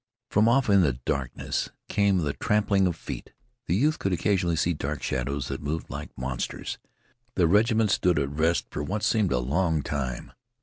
From off in the darkness came the trampling of feet. The youth could occasionally see dark shadows that moved like monsters. The regiment stood at rest for what seemed a long time.